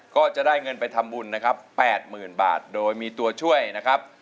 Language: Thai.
ก็จะได้เงินไปทำบุญนะครับ๘๐๐๐บาทโดยมีตัวช่วยนะครับ